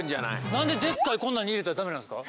何ででっかいこんなのに入れたらダメなんですか？